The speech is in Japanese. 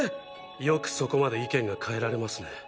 よくそこまで意見が変えられますね。